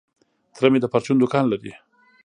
تره مي د پرچون دوکان لري .